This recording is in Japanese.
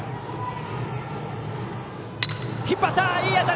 引っ張った！